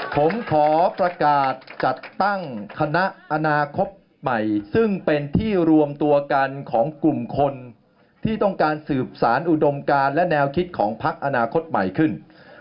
ผมขอประกาศจัดตั้งคณะอนาคตใหม่ซึ่งเป็นที่รวมตัวกันของกลุ่มคนที่ต้องการสืบสารอุดมการและแนวคิดของพักอนาคตใหม่ขึ้น